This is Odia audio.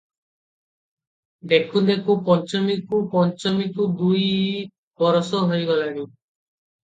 ଦେଖୁଁ ଦେଖୁଁ ପଞ୍ଚମୀକୁ ପଞ୍ଚମୀକୁ ଦୁଇ ବରଷ ହୋଇଗଲାଣି ।